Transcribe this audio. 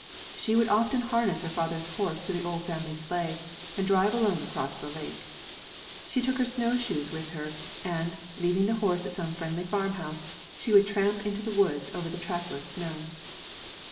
She would often harness her father's horse to the old family sleigh and drive alone across the lake. She took her snow shoes with her, and, leaving the horse at some friendly farmhouse, she would tramp into the woods over the trackless snow.